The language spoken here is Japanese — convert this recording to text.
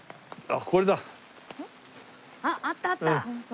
あっあったあった。